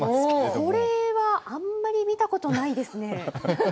これは、あんまり見たことないですね。